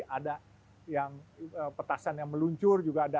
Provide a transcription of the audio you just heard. ada yang petasan yang meluncur juga ada